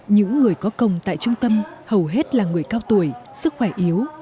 những người có công tại trung tâm hầu hết là người cao tuổi sức khỏe yếu